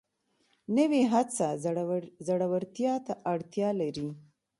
نوې هڅه زړورتیا ته اړتیا لري